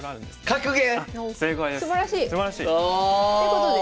格言。